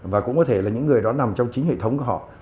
và cũng có thể là những người đó nằm trong chính hệ thống của họ